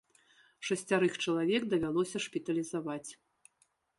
Шасцярых чалавек давялося шпіталізаваць.